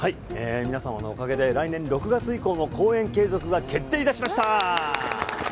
皆さまのおかげで来年６月以降の公演継続が決定しました。